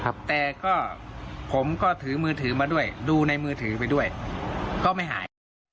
แต่ก็ผมก็ถือมือถือมาด้วยดูในมือถือไปด้วยก็ไม่หาย